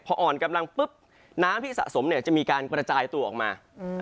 พออ่อนกำลังปุ๊บน้ำที่สะสมเนี่ยจะมีการกระจายตัวออกมา